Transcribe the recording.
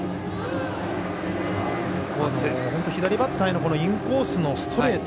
左バッターへのインコースのストレート。